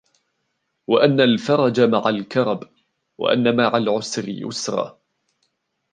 وَأَنَّ الْفَرَجَ مَعَ الْكَرْبِ، وَأَنَّ مَعَ الْعُسْرِ يُسْرًا